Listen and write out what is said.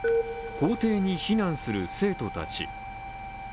校庭に避難する生徒たち。